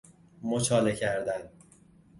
مچاله کردن